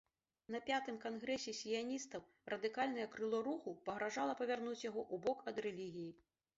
На пятым кангрэсе сіяністаў радыкальнае крыло руху пагражала павярнуць яго ў бок ад рэлігіі.